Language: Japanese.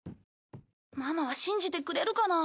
ママは信じてくれるかな？